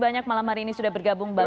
banyak malam hari ini sudah bergabung